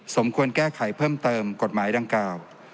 สมควรแก้ไขเพิ่มเติมกฎหมายดังกล่าว